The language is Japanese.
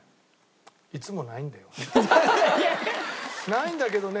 ないんだけどね